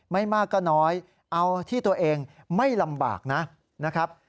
ไม่มากก็น้อยเอาที่ตัวเองไม่ลำบากนะครับ